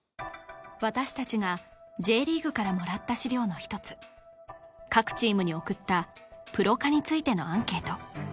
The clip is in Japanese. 私たちがＪリーグからもらった資料の一つ各チームに送ったプロ化についてのアンケート